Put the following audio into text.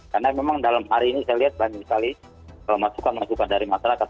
karena memang dalam hari ini saya lihat banyak sekali masukan masukan dari masyarakat